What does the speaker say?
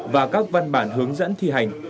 và các văn bản hướng dẫn thi hành